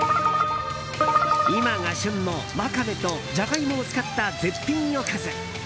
今が旬のワカメとジャガイモを使った絶品おかず。